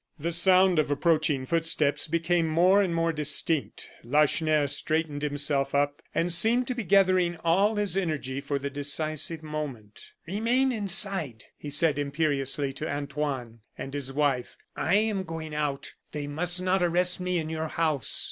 The sound of approaching footsteps became more and more distinct. Lacheneur straightened himself up, and seemed to be gathering all his energy for the decisive moment. "Remain inside," he said, imperiously, to Antoine and his wife. "I am going out; they must not arrest me in your house."